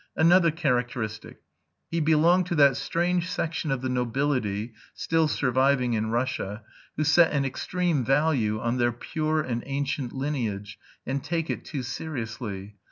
Another characteristic: he belonged to that strange section of the nobility, still surviving in Russia, who set an extreme value on their pure and ancient lineage, and take it too seriously.